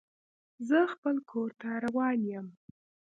زه خپل کور ته روان یم.